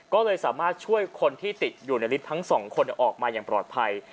ก็เลยสามารถช่วยคนที่ติดอยู่ในลิฟต์ทั้งสองคนออกมาอย่างปลอดภัย